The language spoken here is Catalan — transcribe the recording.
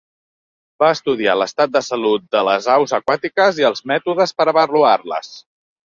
Va estudiar l'estat de salut de les aus aquàtiques i els mètodes per avaluar-les.